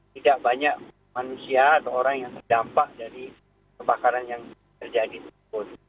tidak banyak manusia atau orang yang terdampak dari kebakaran yang terjadi tersebut